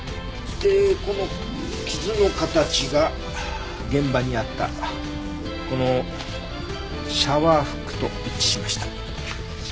でこの傷の形が現場にあったこのシャワーフックと一致しました。